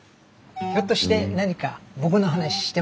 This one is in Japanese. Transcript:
ひょっとして何か僕の話してます？